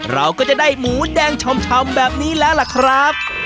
เราก็จะได้หมูแดงชำแบบนี้แล้วล่ะครับ